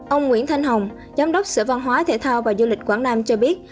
ông nguyễn thanh hồng giám đốc sở văn hóa thể thao và du lịch quảng nam cho biết